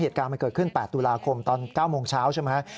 เหตุการณ์มันเกิดขึ้น๘ตุลาคมตอน๙โมงเช้าใช่ไหม